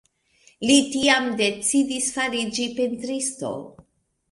Li tiam decidis fariĝi pentristo.